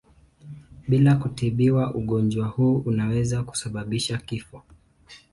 Bila kutibiwa ugonjwa huu unaweza kusababisha kifo.